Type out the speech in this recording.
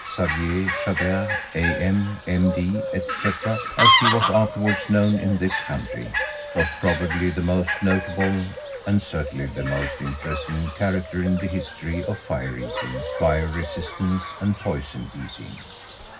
Xavier Chabert, A.M., M.D., etc., as he was afterwards known in this country, was probably the most notable, and certainly the most interesting, character in the history of fire eating, fire resistance, and poison eating.